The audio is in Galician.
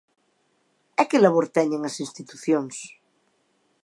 E que labor teñen as institucións?